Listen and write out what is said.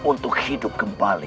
untuk hidup kembali